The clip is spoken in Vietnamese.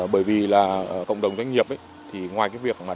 bởi vì là cộng đồng doanh nghiệp thì ngoài cái việc đảm bảo